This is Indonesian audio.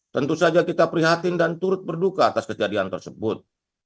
tentu saja kita prihatin dan turut berduka atas kejadian tersebut